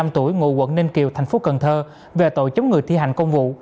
một mươi tuổi ngụ quận ninh kiều thành phố cần thơ về tội chống người thi hành công vụ